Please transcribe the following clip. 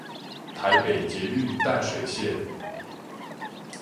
臺北捷運淡水線